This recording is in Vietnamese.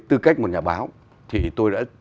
tư cách một nhà báo thì tôi đã